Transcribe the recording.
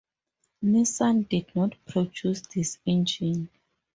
Nissan did not produce this engine.